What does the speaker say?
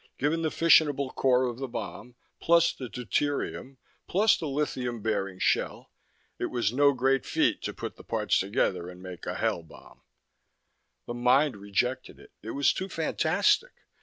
Given the fissionable core of the bomb plus the deuterium, plus the lithium bearing shell it was no great feat to put the parts together and make a Hell bomb. The mind rejected it; it was too fantastic.